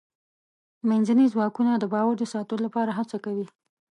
منځني ځواکونه د باور د ساتلو لپاره هڅه کوي.